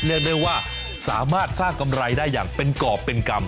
เรียกได้ว่าสามารถสร้างกำไรได้อย่างเป็นกรอบเป็นกรรม